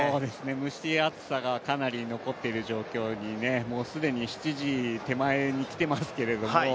蒸し暑さがかなり残っている状況にもう７時手前に来てますけれども。